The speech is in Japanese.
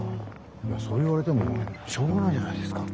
いやそう言われてもしょうがないじゃないですか。